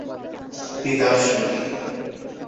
তিতাস নদী